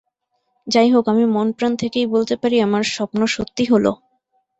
যাই হোক আমি মনপ্রাণ থেকেই বলতে পারি আমার স্বপ্ন সত্যি হলো।